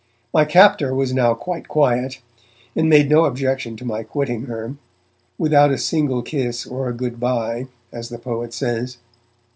My captor was now quite quiet, and made no objection to my quitting her, 'without a single kiss or a goodbye', as the poet says.